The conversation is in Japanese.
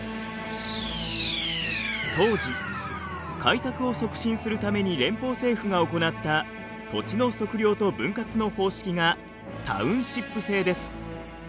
当時開拓を促進するために連邦政府が行った土地の測量と分割の方式がタウンシップ制です。